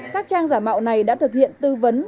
các trang giả mạo này đã thực hiện tư vấn